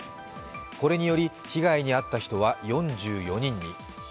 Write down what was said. これにより被害に遭った人は４４人に。